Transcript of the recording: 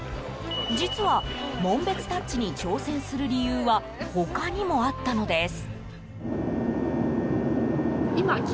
実は、紋別タッチに挑戦する理由は他にもあったのです。